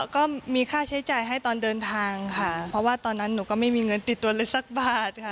ก็มีค่าใช้จ่ายให้ตอนเดินทางค่ะเพราะว่าตอนนั้นหนูก็ไม่มีเงินติดตัวเลยสักบาทค่ะ